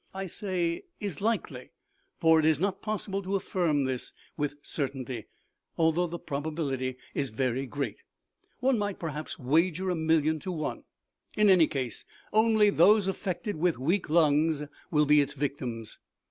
I say is likely, for it is not possible to affirm this with certainty, although the probability is very great. One might perhaps wager a million to one. In any case, only those affected with weak lungs will be victims.